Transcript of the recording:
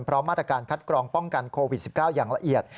มาตรการคัดกรองป้องกันโควิด๑๙อย่างละเอียด